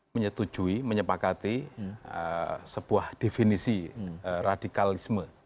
menyetujui menyepakati sebuah definisi radikalisme